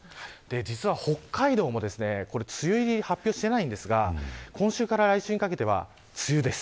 実は北海道も梅雨入りを発表をしていないんですが今週から来週にかけては梅雨です。